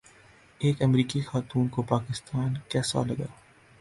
ایک امریکی خاتون کو پاکستان کیسا لگا